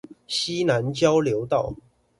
溪南交流道